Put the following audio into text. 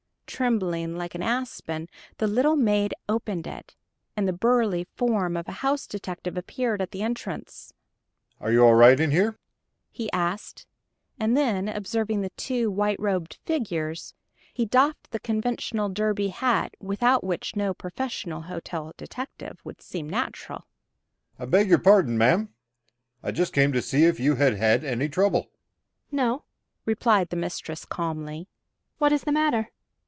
Trembling like an aspen, the little maid opened it, and the burly form of a house detective appeared at the entrance. "Are you all right in here?" he asked, and then observing the two white robed figures he doffed the conventional derby hat without which no professional hotel detective would seem natural. "I beg your pardon, ma'am. I just came to see if you had had any trouble." "No," replied the mistress calmly. "What is the matter?"